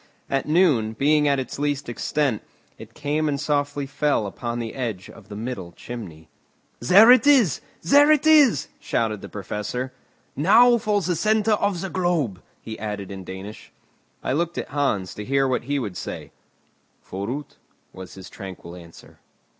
At noon, being at its least extent, it came and softly fell upon the edge of the middle chimney. "There it is! there it is!" shouted the Professor. "Now for the centre of the globe!" he added in Danish. I looked at Hans, to hear what he would say. "Forüt!" was his tranquil answer.